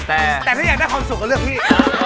แต่ถ้าอยากได้ความสุขก็เลือกพี่